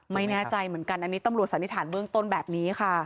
ไม่แน่ใจเหมือนกันอันนี้ตำรวจสันนิษฐานเบื้องต้นแบบนี้ค่ะ